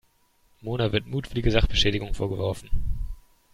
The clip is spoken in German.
Mona wird mutwillige Sachbeschädigung vorgeworfen.